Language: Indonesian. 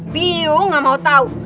biung gak mau tau